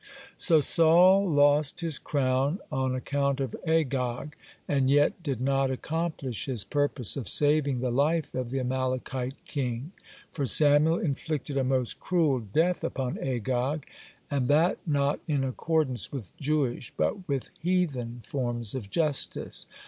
(64) So Saul lost his crown on account of Agag, and yet did not accomplish his purpose of saving the life of the Amalekite king, for Samuel inflicted a most cruel death upon Agag, and that not in accordance with Jewish, but with heathen, forms of justice.